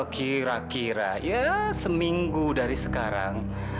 kira kira ya seminggu dari sekarang